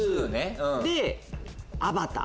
で『アバター』。